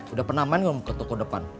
udah pernah main ga mau ke toko depan